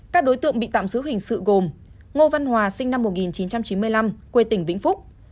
các đối tượng bị tạm giữ hình sự gồm ngô văn hòa sinh năm một nghìn chín trăm chín mươi năm quê tỉnh vĩnh phúc